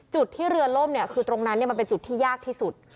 จุดที่เรือล่มเนี่ยคือตรงนั้นมันเป็นจุดที่ยากที่สุด